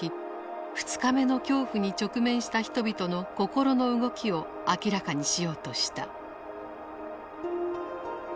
「二日目の恐怖」に直面した人々の心の動きを明らかにしようとした。